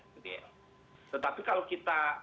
tetapi kalau kita